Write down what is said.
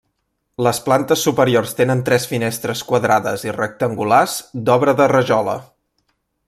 Les plantes superiors tenen tres finestres quadrades i rectangulars d'obra de rajola.